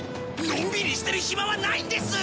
のんびりしてる暇はないんです！